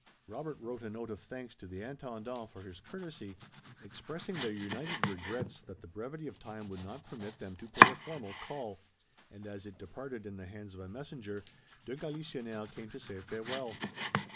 Robert wrote a note of thanks to the Intendant for his courtesy, expressing their united regrets that the brevity of time would not permit them to pay a formal call, and as it departed in the hands of a messenger, de Galisonnière came to say farewell.